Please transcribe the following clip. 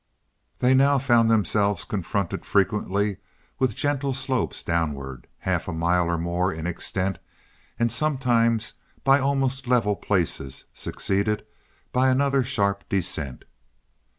They now found themselves confronted frequently with gentle slopes downward, half a mile or more in extent, and sometimes by almost level places, succeeded by another sharp descent.